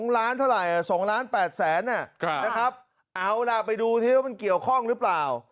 ๒ล้านเท่าไหร่๒ล้าน๘แสนนะครับเอาล่ะไปดูที่ว่ามันเกี่ยวข้องหรือเปล่า